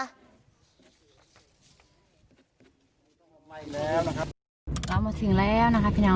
อายุเท่าไหร่แล้วค่ะพระเจ้าเนี่ย